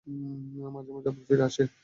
মাঝে মাঝে আবার ফিরে আসে।